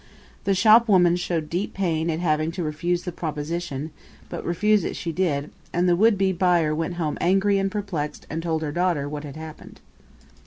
The shopwoman showed deep pain at having to refuse the proposition, but refuse it she did; and the would be buyer went home angry and perplexed and told her daughter what had happened.